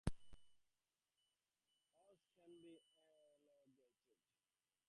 Vowels can also be elongated.